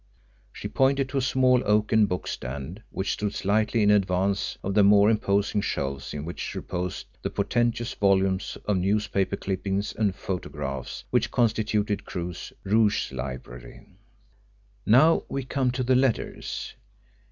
She pointed to a small oaken bookstand which stood slightly in advance of the more imposing shelves in which reposed the portentous volumes of newspaper clippings and photographs which constituted Crewe's "Rogues' Library." "Now we come to the letters.